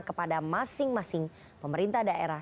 kepada masing masing pemerintah daerah